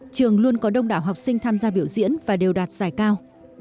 trường luôn có đông đảo học sinh tham gia biểu diễn và đều đạt giải cao